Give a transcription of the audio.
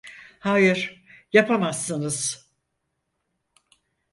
Hayır, yapamazsınız.